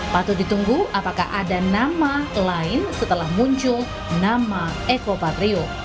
patut ditunggu apakah ada nama lain setelah muncul nama eko patrio